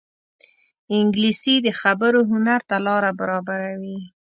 انګلیسي د خبرو هنر ته لاره برابروي